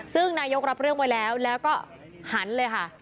ซึ่งนายกรับเรื่องไว้แล้วแล้วก็หันเลยค่ะ